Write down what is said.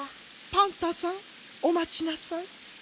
パンタさんおまちなさい。